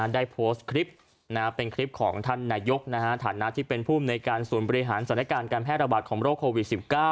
ได้โพสต์คลิปเป็นคลิปของท่านนายกฐานะที่เป็นภูมิในการศูนย์บริหารสถานการณ์การแพร่ระบาดของโรคโควิด๑๙